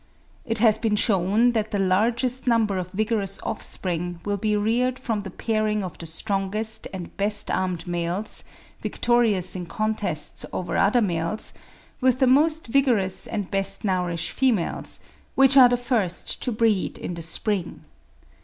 It has been shewn that the largest number of vigorous offspring will be reared from the pairing of the strongest and best armed males, victorious in contests over other males, with the most vigorous and best nourished females, which are the first to breed in the spring.